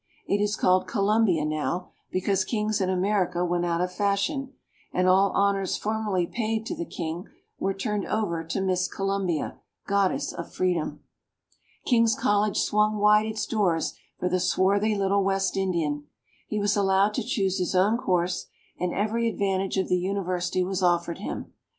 It is called Columbia now, because kings in America went out of fashion, and all honors formerly paid to the king were turned over to Miss Columbia, Goddess of Freedom. King's College swung wide its doors for the swarthy little West Indian. He was allowed to choose his own course, and every advantage of the university was offered him.